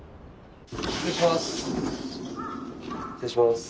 失礼します。